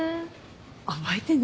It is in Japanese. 覚えてね。